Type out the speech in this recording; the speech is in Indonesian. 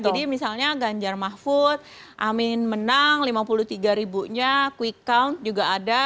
jadi misalnya ganjar mahfud amin menang lima puluh tiga ribunya quick count juga ada